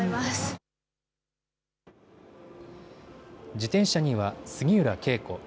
自転車には杉浦佳子。